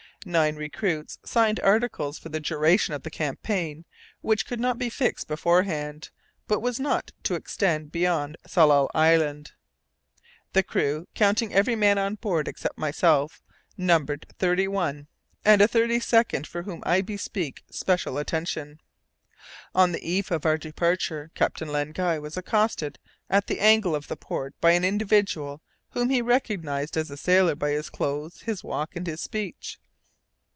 Nine recruits signed articles for the duration of the campaign, which could not be fixed beforehand, but was not to extend beyond Tsalal Island. The crew, counting every man on board except myself, numbered thirty one, and a thirty second for whom I bespeak especial attention. On the eve of our departure, Captain Len Guy was accosted at the angle of the port by an individual whom he recognized as a sailor by his clothes, his walk, and his speech.